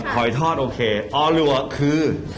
หอยทอดโอเค